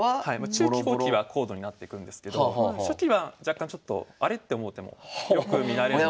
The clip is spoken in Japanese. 中期後期は高度になっていくんですけど初期は若干ちょっとあれ？って思う手もよく見られるんで。